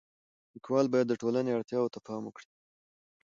لیکوال باید د ټولنې اړتیاو ته پام وکړي.